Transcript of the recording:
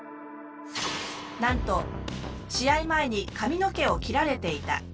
なんと試合前に髪の毛を切られていた。